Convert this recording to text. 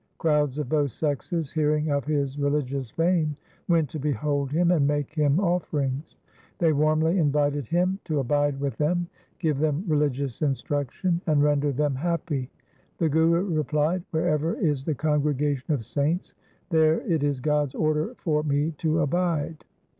Crowds of both sexes hearing of his re ligious fame went to behold him and make him offerings. They warmly invited him to abide with them, give them religious instruction, and render them happy. The Guru replied :' Wherever is the congregation of saints, there it is God's order for me to abide.'